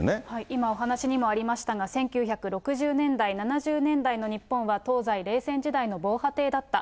今お話にもありましたが、１９６０年代、７０年代の日本は、東西冷戦時代の防波堤だった。